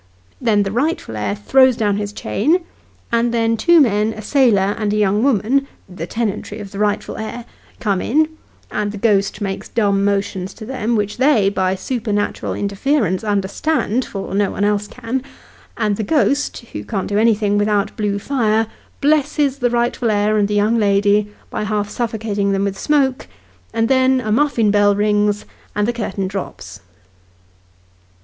Then the rightful heir throws down his chain; and then two men, a sailor, and a young woman (the tenantry of the rightful heir) come in, and the ghost makes dumb motions to them, which they, by supernatural interference understand for no one else can ; and the ghost (who can't do anything without blue fire) blesses the rightful heir and the young lady, by half suffocating them with smoke : and then a muffin bell rings, and the curtain drops.